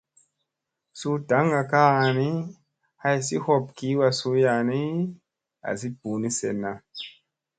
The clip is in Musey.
Suu daŋga kaa ni, haysi hop kiwa suya nii, asi ɓuuni senna.